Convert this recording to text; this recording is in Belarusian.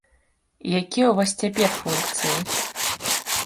Якія ў вас цяпер функцыі?